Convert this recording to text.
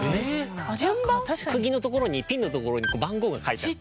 釘のところにピンのところにこう番号が書いてあって。